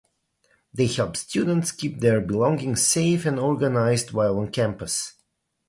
They help students keep their belongings safe and organized while on campus.